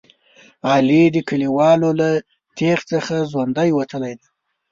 علي د کلیوالو له تېغ څخه ژوندی وتلی دی.